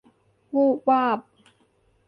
วูบวาบ